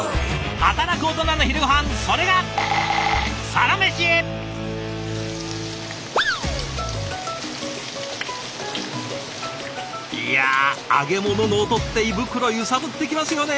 働くオトナの昼ごはんそれがいや揚げ物の音って胃袋揺さぶってきますよね。